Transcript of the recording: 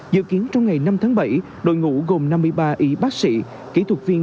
dự kiến trong ngày năm tháng bảy đội ngũ gồm năm mươi ba y bác sĩ kỹ thuật viên